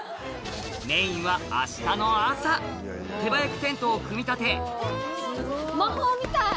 メインは明日の朝手早くテントを組み立て魔法みたい！